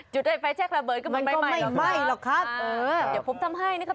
จุดไฟแช็กระเบิดก็มันไม่ไหม้หรอกครับ